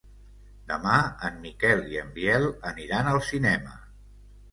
Demà en Miquel i en Biel aniran al cinema.